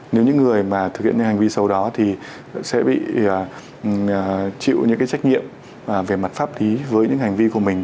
nếu những người mà thực hiện những hành vi xấu đó thì sẽ bị chịu những cái trách nhiệm về mặt pháp lý với những hành vi của mình